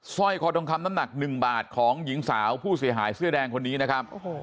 ร้อยคอทองคำน้ำหนัก๑บาทของหญิงสาวผู้เสียหายเสื้อแดงคนนี้นะครับ